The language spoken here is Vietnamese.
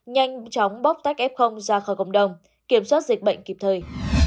nhanh chóng bóc tách f ra khỏi cộng đồng kiểm soát dịch bệnh kịp thời